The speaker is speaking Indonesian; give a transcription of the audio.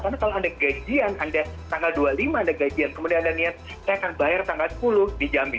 karena kalau anda gajian tanggal dua puluh lima anda gajian kemudian anda niat saya akan bayar tanggal sepuluh di jambi